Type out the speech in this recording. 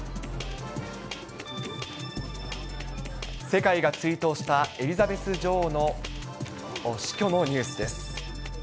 世界が追悼したエリザベス女王の死去のニュースです。